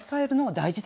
大事！